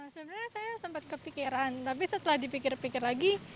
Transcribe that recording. sebenarnya saya sempat kepikiran tapi setelah dipikir pikir lagi